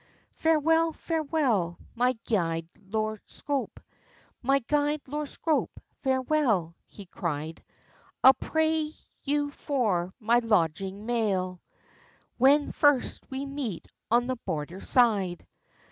"Farewell, farewell, my gude Lord Scroope! My gude Lord Scroope, farewell!" he cried; "I'll pay you for my lodging maill, When first we meet on the border side."